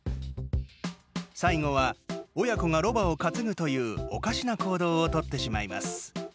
最後は親子がロバを担ぐというおかしな行動をとってしまいます。